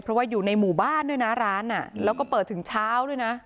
เพราะว่าอยู่ในหมู่บ้านด้วยนะร้านแล้วก็เปิดถึงเช้าด้วยนะ